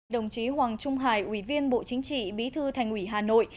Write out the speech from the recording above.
đồng chí hoàng trung hải ủy viên bộ chính trị bí thư thành ủy hà nội